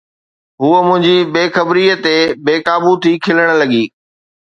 هوءَ منهنجي بي خبريءَ تي بي قابو ٿي کلڻ لڳي